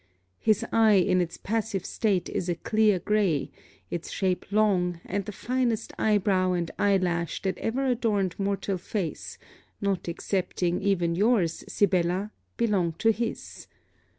His eye in its passive state is a clear grey, its shape long; and the finest eye brow and eye lash that ever adorned mortal face, not excepting even your's Sibella, belong to his.